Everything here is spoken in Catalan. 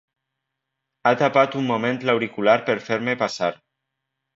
Ha tapat un moment l'auricular per fer-me passar.